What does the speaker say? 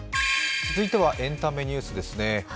続いてはエンタメニュースですね。